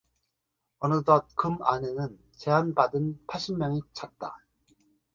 어느덧 금 안에는 제한받은 팔십 명이 찼다.